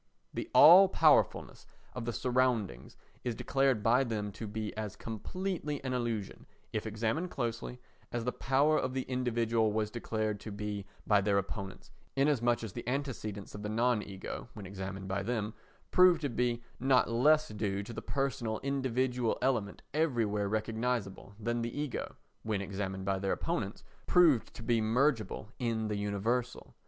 The all powerfulness of the surroundings is declared by them to be as completely an illusion, if examined closely, as the power of the individual was declared to be by their opponents, inasmuch as the antecedents of the non ego, when examined by them, prove to be not less due to the personal individual element everywhere recognisable, than the ego, when examined by their opponents, proved to be mergeable in the universal.